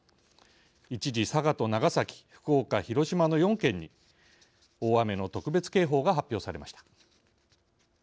一時佐賀と長崎福岡広島の４県に大雨の特別警報が発表されました。